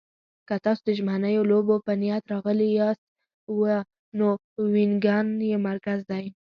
که تاسو د ژمنیو لوبو په نیت راغلي یاست، نو وینګن یې مرکز دی.